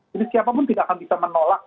jadi siapapun tidak akan bisa menolak